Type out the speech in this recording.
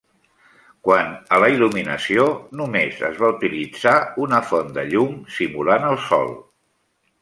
Quant a la il·luminació, només es va utilitzar una Font de llum, simulant el sol.